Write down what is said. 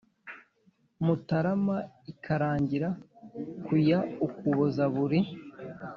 Mutarama ikarangira ku ya ukuboza buri